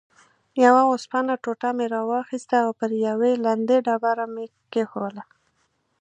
یوه اوسپنه ټوټه مې راواخیسته او پر یوې لندې ډبره مې کېښووله.